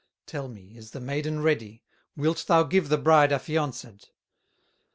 Tell me is the maiden ready, Wilt thou give the bride affianced?"